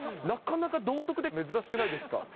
なかなか道徳って、珍しくないですか？